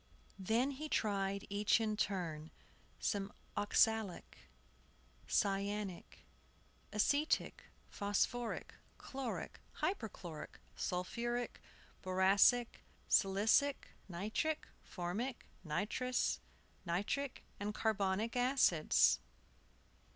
Then he tried, each in turn, some oxalic, cyanic, acetic, phosphoric, chloric, hyperchloric, sulphuric, boracic, silicic, nitric, formic, nitrous nitric, and carbonic acids.